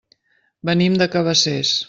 Venim de Cabacés.